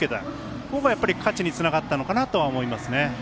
ここはやっぱり勝ちにつながったのかなとは思いますね。